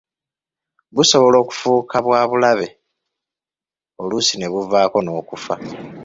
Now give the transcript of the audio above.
Busobola okufuuka bwa bulabe, oluusi ne buvaako n’okufa.